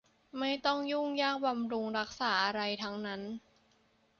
ไม่ต้องยุ่งยากบำรุงรักษาอะไรทั้งนั้น